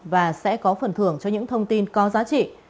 và sẽ có phần thưởng cho những thông tin có giá trị